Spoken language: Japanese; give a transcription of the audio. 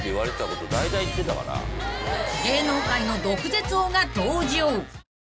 ［芸能界の毒舌王が登場！］